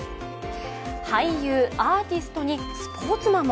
俳優、アーティストにスポーツマンも。